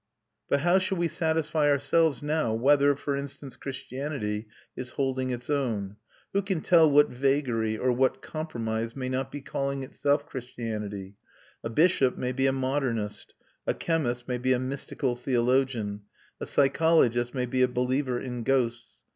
But how shall we satisfy ourselves now whether, for instance, Christianity is holding its own? Who can tell what vagary or what compromise may not be calling itself Christianity? A bishop may be a modernist, a chemist may be a mystical theologian, a psychologist may be a believer in ghosts.